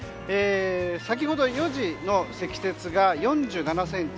先ほど４時の積雪が４７ｃｍ。